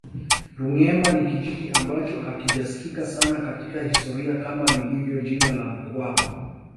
Rungemba ni kijiji ambacho hakijasikika sana katika historia kama lilivyo jina la mkwawa